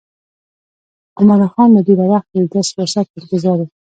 عمرا خان له ډېره وخته د داسې فرصت په انتظار و.